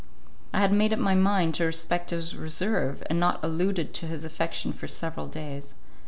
I had made up my mind to respect his reserve, and had not alluded to his affection for several days.